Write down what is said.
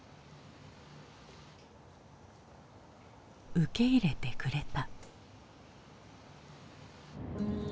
受け入れてくれた。